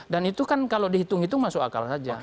dan itu kan kalau dihitung hitung masuk akal saja